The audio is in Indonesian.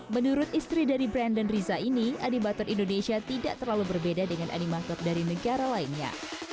menurut istri dari brandon riza ini animator indonesia tidak terlalu berbeda dengan animator dari negara lainnya